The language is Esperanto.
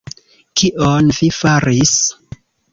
Kion vi faris?